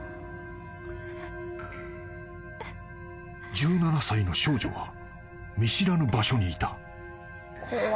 ［１７歳の少女は見知らぬ場所にいた］